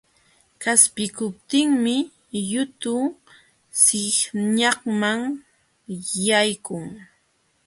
Qaspikuptinmi yutu sihñanman yaykun.